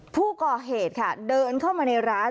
ผู้ก่อเหตุค่ะเดินเข้ามาในร้าน